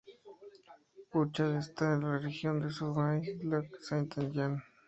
Bouchard está de la región del Saguenay–Lac-Saint-Jean.